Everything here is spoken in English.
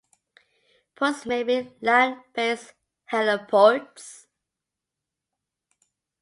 Ports may be land-based heliports.